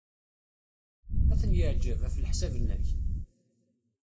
Ad ten-yeɛjeb, ɣef leḥsab-nnek?